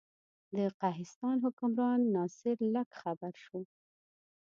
د قهستان حکمران ناصر لک خبر شو.